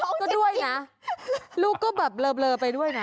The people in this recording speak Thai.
แต่ลูกก็ด้วยนะลูกก็แบบเลอไปด้วยนะ